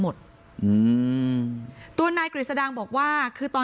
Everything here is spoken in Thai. หนูจะให้เขาเซอร์ไพรส์ว่าหนูเก่ง